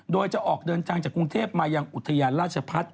โดยจะออกเดินทางจากกรุงเทพมายังอุทยานราชพัฒน์